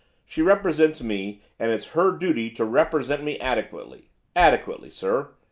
She represents me, and it's her duty to represent me adequately adequately, sir!